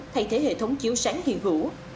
thay thế hệ thống chiếu sáng nghi hữu